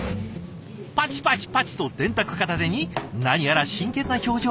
パチパチパチと電卓片手に何やら真剣な表情。